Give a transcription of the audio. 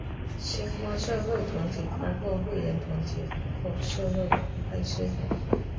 相关社会团体包括会员团体或社会派系。